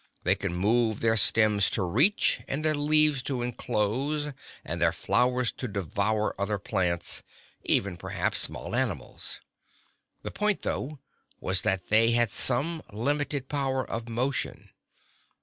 They could move their stems to reach, and their leaves to enclose, and their flowers to devour other plants, even perhaps small animals. The point, though, was that they had some limited power of motion.